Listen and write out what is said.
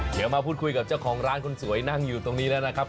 เดี๋ยวมาพูดคุยกับเจ้าของร้านคนสวยนั่งอยู่ตรงนี้แล้วนะครับ